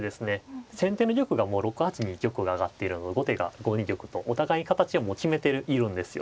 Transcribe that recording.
先手の玉がもう６八に玉が上がっているので後手が５二玉とお互い形をもう決めているんですよ。